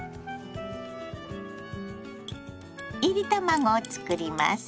いり卵を作ります。